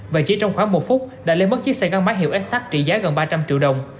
và chỉ trong khoảng một phút đã lấy mất chiếc xe găng máy hiệu s sac trị giá gần ba trăm linh triệu đồng